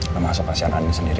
sama asok kasihan andin sendiri